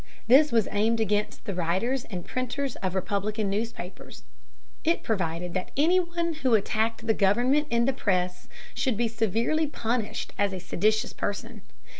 This was aimed against the writers and printers of Republican newspapers. It provided that any one who attacked the government in the press should be severely punished as a seditious person.